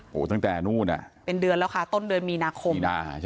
โอ้โหตั้งแต่นู่นอ่ะเป็นเดือนแล้วค่ะต้นเดือนมีนาคม